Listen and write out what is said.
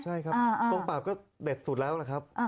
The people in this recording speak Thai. ใช่ครับกองปราบก็เด็ดสุดแล้วนะครับ